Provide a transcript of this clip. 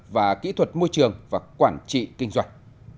và kỹ thuật môi trường và quản trị kinh doanh